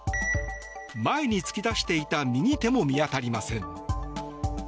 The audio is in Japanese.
前に突き出していた右手も見当たりません。